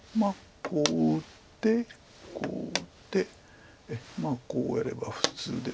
こう打ってこう打ってこうやれば普通で。